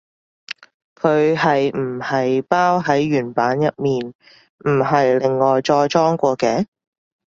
佢係唔係包喺原版入面，唔係另外再裝過嘅？